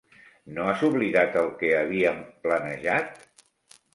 No has oblidat el que havíem planejat?